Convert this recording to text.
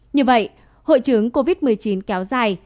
như vậy hội chứng covid một mươi chín kéo dài